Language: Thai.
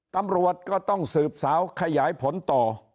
ตำรวจก็ต้องสืบสาวขยายผลต่อ